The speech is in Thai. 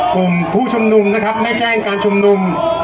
กลุ่มผู้ชุมนุมนะครับได้แจ้งการชุมนุม